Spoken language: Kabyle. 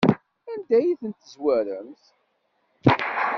Anda ay tent-tezwaremt?